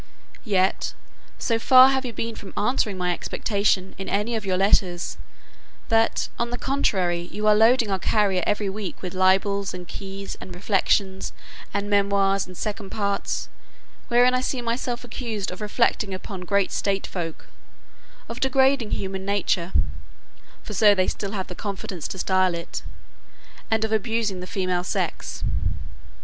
Yet, so far have you been from answering my expectation in any of your letters; that on the contrary you are loading our carrier every week with libels, and keys, and reflections, and memoirs, and second parts; wherein I see myself accused of reflecting upon great state folk; of degrading human nature (for so they have still the confidence to style it), and of abusing the female sex.